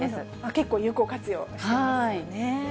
結構、有効活用していますよね。